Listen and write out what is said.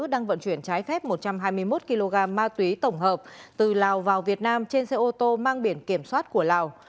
đang vận chuyển trái phép một trăm hai mươi một kg ma túy tổng hợp từ lào vào việt nam trên xe ô tô mang biển kiểm soát của lào